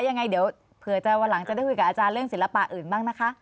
ยังไงเดี๋ยวเผื่อจะวันหลังจะได้คุยกับอาจารย์เรื่องศิลปะอื่นบ้างนะคะ